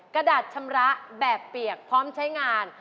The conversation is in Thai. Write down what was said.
กระดาษชำระแบบเปียกพร้อมใช้งาน